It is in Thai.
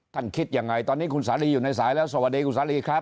คิดยังไงตอนนี้คุณสาลีอยู่ในสายแล้วสวัสดีคุณสาลีครับ